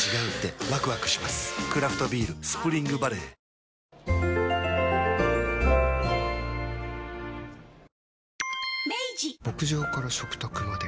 クラフトビール「スプリングバレー」牧場から食卓まで。